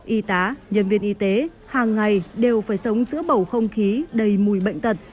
y tá nhân viên y tế hàng ngày đều phải sống giữa bầu không khí đầy mùi bệnh tật